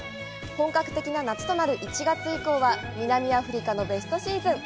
本格的な夏となる１月以降は、南アフリカのベストシーズン！